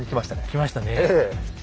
来ましたねえ。